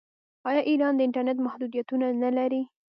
آیا ایران د انټرنیټ محدودیتونه نلري؟